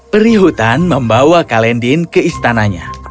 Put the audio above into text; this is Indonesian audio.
perihutan membawa kalendin ke istananya